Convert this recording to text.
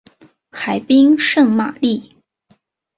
海滨圣玛丽。